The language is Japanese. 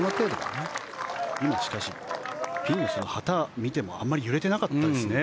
今、しかしピンの旗を見てもあまり揺れてなかったですね。